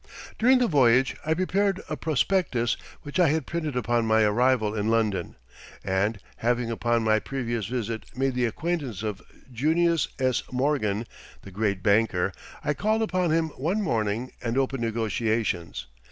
During the voyage I prepared a prospectus which I had printed upon my arrival in London, and, having upon my previous visit made the acquaintance of Junius S. Morgan, the great banker, I called upon him one morning and opened negotiations.